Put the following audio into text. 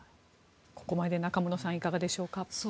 ここまで中室さんいかがでしょうか？